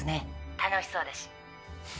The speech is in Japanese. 楽しそうだし。